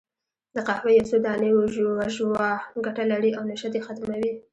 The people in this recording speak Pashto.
د قهوې یو څو دانې وژووه، ګټه لري، او نشه دې ختمه وي.